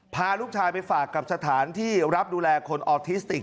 พาลูกชายไปฝากกับสถานที่รับดูแลคนออทิสติก